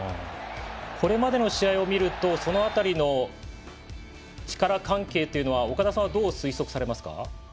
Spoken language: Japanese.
これまでの試合を見るとその辺りの力関係というのは岡田さんはどう推測されますか？